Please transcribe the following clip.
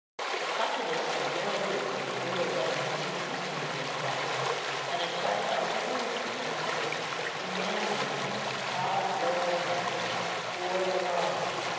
The populace had joined with the imperial government in seeking his life, and had cried out furiously in the circus, demanding him "ad leonem," for the lion.